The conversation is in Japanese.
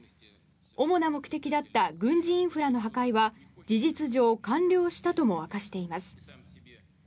主な目的だった軍事インフラの破壊は事実上完了したとも明かしています。